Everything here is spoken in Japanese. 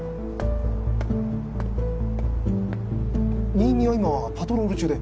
新見は今パトロール中で。